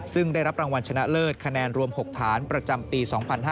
ซึ่งได้รับรางวัลชนะเลิศคะแนนรวม๖ฐานประจำปี๒๕๕๙